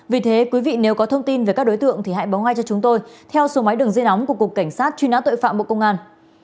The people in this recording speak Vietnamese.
vì thế quý vị nếu có thông tin về các đối tượng thì hãy báo ngay cho chúng tôi theo số máy đường dây nóng của cục cảnh sát truy nã tội phạm bộ công an